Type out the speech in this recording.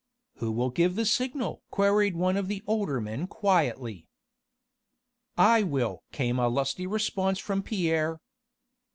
"Who will give the signal?" queried one of the older men quietly. "I will!" came a lusty response from Pierre.